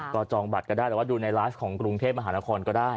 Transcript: ก็จองบัตรก็ได้แต่ว่าดูในไลฟ์ของกรุงเทพมหานครก็ได้